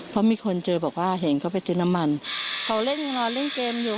ก็เรียกว่าเขานอนเล่นเกมอยู่